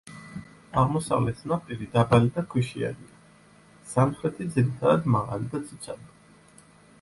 აღმოსავლეთ ნაპირი დაბალი და ქვიშიანია, სამხრეთი ძირითადად მაღალი და ციცაბო.